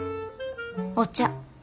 お茶。